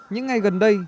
những ngày gần đây